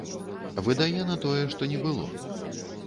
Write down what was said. Выдае на тое, што не было.